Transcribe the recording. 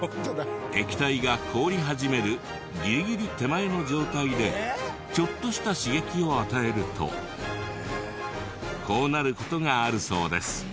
液体が凍り始めるギリギリ手前の状態でちょっとした刺激を与えるとこうなる事があるそうです。